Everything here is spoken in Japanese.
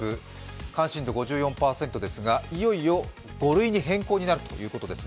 関心度５４％ですがいよいよ５類に変更になるということです。